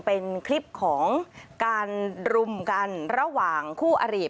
เป็นคลิปของการรุมกันระหว่างคู่อริ